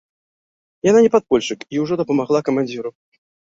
Яна не падпольшчык і ўжо дапамагла камандзіру.